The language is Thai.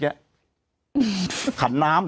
อเรนนี่